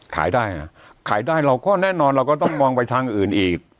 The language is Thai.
ขายได้อ่ะขายได้เราก็แน่นอนเราก็ต้องมองไปทางอื่นอีก